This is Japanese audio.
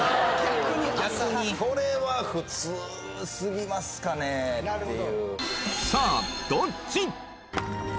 逆にこれは普通すぎますかねっていうなるほどさあどっち？